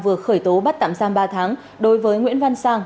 vừa khởi tố bắt tạm giam ba tháng đối với nguyễn văn sang